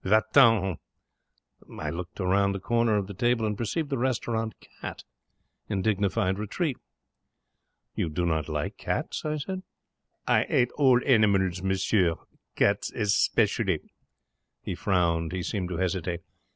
'Va t'en!' I looked round the corner of the table, and perceived the restaurant cat in dignified retreat. 'You do not like cats?' I said. 'I 'ate all animals, monsieur. Cats especially.' He frowned. He seemed to hesitate.